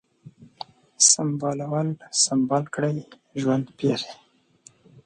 سمبالول ، سمبال کړی ، ژوند پیښې